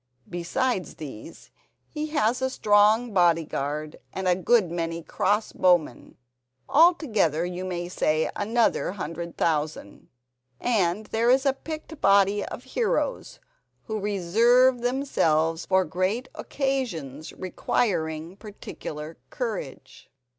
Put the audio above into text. Besides these, he has a strong bodyguard and a good many cross bowmen. Altogether you may say another hundred thousand, and there is a picked body of heroes who reserve themselves for great occasions requiring particular courage."